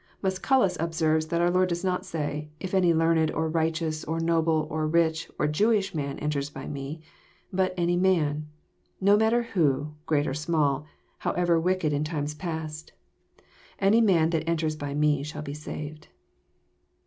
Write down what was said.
Musculns observes that our Lord does not say, <* If any learned, or righteous, or noble, or rich, or Jewish man enters by Me ;" but any man, " no matter who, great or small, how ever wicked in times past," — any man that enters by Me shall be saved.